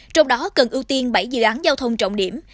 trong đó cần ưu tiên bảy dự án giao thông trọng điểm